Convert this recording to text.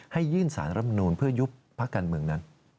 ยื่นสารรับนูลเพื่อยุบพักการเมืองนั้น